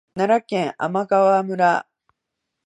奈良県天川村